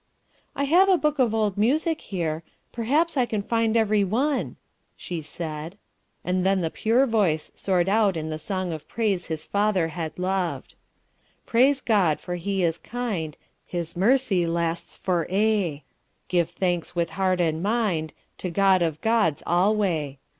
"I have a book of old music here, perhaps I can find the very one," she said; and then the pure voice soared out in the song of praise his father had loved: "Praise God, for he is kind; His mercy lasts for aye; Give thanks with heart and mind To God of Gods alway.